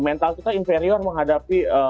mental kita inferior menghadapi